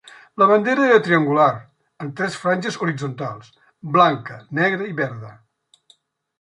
La bandera era triangular en tres franges horitzontals: blanca, negra i verda.